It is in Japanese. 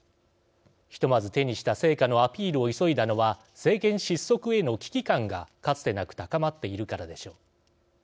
ひとまず手にした成果のアピールを急いだのは政権失速への危機感がかつてなく高まっているからでしょう。